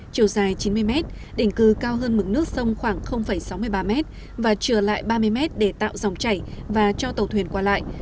chiều dài chín mươi mét đỉnh cư cao hơn mực nước sông khoảng sáu mươi ba m và trừa lại ba mươi m để tạo dòng chảy và cho tàu thuyền qua lại